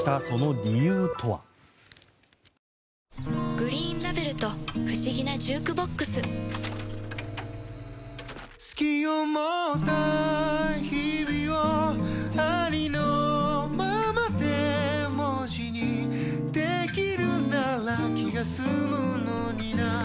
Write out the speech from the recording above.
「グリーンラベル」と不思議なジュークボックス“好き”を持った日々をありのままで文字にできるなら気が済むのにな